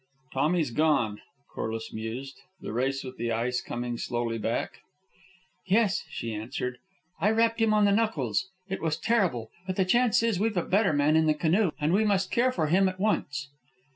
"Tommy's gone," Corliss mused, the race with the ice coming slowly back. "Yes," she answered. "I rapped him on the knuckles. It was terrible. But the chance is we've a better man in the canoe, and we must care for him at once.